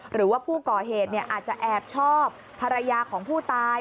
หรือว่าผู้ก่อเหตุอาจจะแอบชอบภรรยาของผู้ตาย